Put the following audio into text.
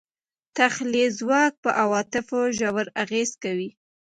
تخیلي ځواک په عواطفو ژور اغېز کوي.